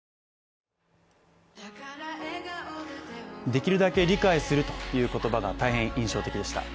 できるだけ理解するという言葉が大変、印象的でした。